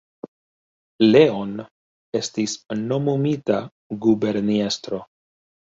Leon estis nomumita guberniestro.